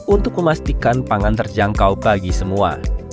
untuk memastikan pangan terjangkau bagi semua